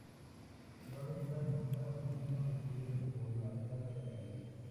Su hábitat está siendo destruido por la tala de árboles.